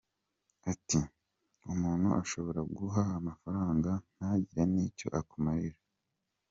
Ati: “Umuntu ashobora kuguha amafaranga ntagire n’icyo akumarira.